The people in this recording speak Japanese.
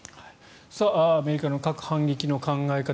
アメリカの核反撃の考え方